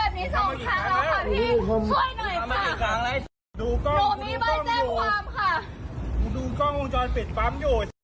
พี่ช่วยหน่อยค่ะอีกครั้งแล้วดูกล้องดูกล้องจอดเป็นปั๊มอยู่